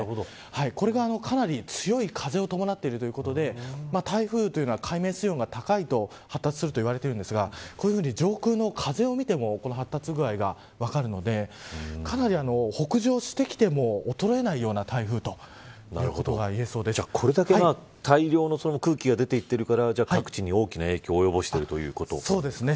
これがかなり強い風を伴っているということで台風というのは海面水温が高いと発達すると言われているんですがこういうふうに上空の風を見てもこの発達具合が分かるのでかなり北上してきても衰えないような台風これだけ大量の空気が出ていっているから各地に大きな影響をそうですね